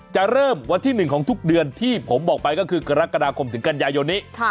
จะเริ่มวันที่๑ของทุกเดือนที่ผมบอกไปก็คือกรกฎาคมถึงกันยายนนี้